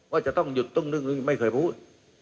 ว่าจะต้องหยุดตุ้งนึ่งไม่เคยพูด